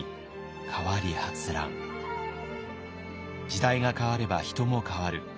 時代が変われば人も変わる。